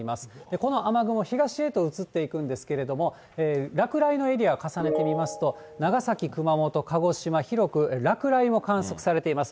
この雨雲、東へと移っていくんですけれども、落雷のエリアを重ねてみますと、長崎、熊本、鹿児島、広く落雷も観測されています。